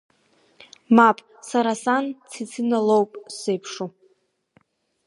Мап, сара сан Цицина лоуп сзеиԥшу!